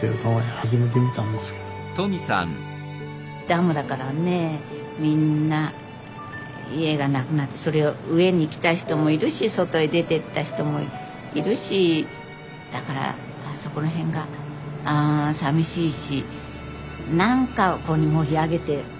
ダムだからねみんな家がなくなってそれを上に来た人もいるし外へ出てった人もいるしだからそこら辺がさみしいし何かをこう盛り上げてねえ